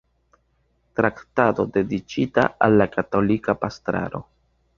Traktato dediĉita al la katolika pastraro".